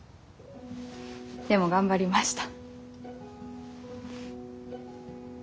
でも頑張りました。